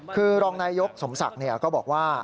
คือรองนายยกสมศักดิ์ก็บอกว่า